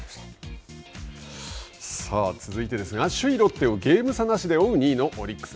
さあ、続いてですが、首位ロッテをゲーム差なしで追う２位のオリックス。